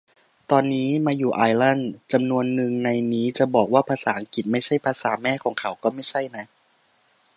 ตอนนี้มาอยู่ไอร์แลนด์ จำนวนนึงในนี้จะบอกว่าภาษาอังกฤษไม่ใช่ "ภาษาแม่" ของเขาก็ไม่ใช่นะ